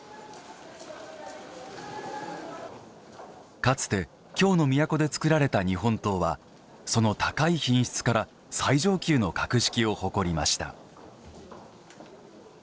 かつて京の都で作られた日本刀はその高い品質から最上級の格式を誇りました。